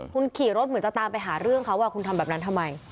คุณขี่รถเหมือนจะตามไปหาเรื่องเขาคุณทำแบบนั้นทำไม